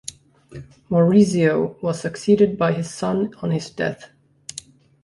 Maurizio was succeeded by his son on his death.